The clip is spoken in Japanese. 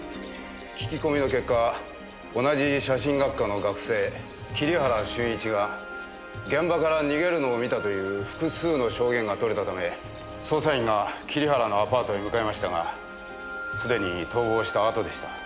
聞き込みの結果同じ写真学科の学生桐原俊一が現場から逃げるのを見たという複数の証言がとれたため捜査員が桐原のアパートへ向かいましたがすでに逃亡したあとでした。